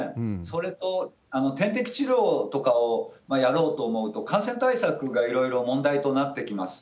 それと、点滴治療とかをやろうと思うと、感染対策がいろいろ問題となってきます。